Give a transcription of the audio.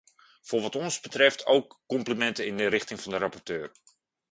Voor wat ons betreft ook complimenten in de richting van de rapporteur.